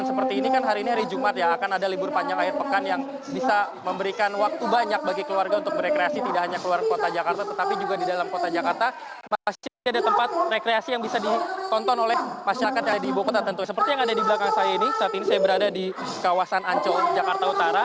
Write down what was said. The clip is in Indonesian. seperti yang ada di belakang saya ini saat ini saya berada di kawasan ancol jakarta utara